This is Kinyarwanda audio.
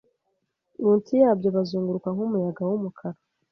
Munsi yabyo bazunguruka nkumuyaga wumukara